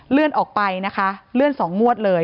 เลื่อนออกไปนะคะเลื่อน๒งวดเลย